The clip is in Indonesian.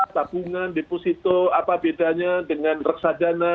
tabungan deposito apa bedanya dengan reksadana